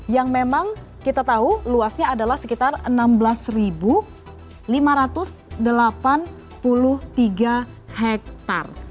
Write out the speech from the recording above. yang memang kita tahu luasnya adalah sekitar enam belas lima ratus delapan puluh tiga hektare